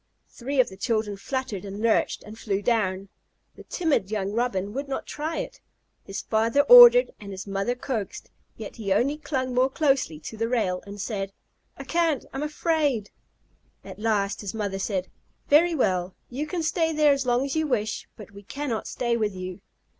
Three of the children fluttered and lurched and flew down. The timid young Robin would not try it. His father ordered and his mother coaxed, yet he only clung more closely to his rail and said, "I can't! I'm afraid!" At last his mother said: "Very well. You shall stay there as long as you wish, but we cannot stay with you."